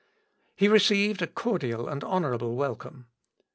He received a cordial and honourable welcome.